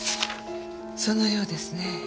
そのようですね。